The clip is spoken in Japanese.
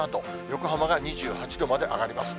横浜が２８度まで上がります。